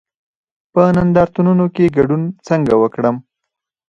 په نندارتونونو کې ګډون څنګه وکړم؟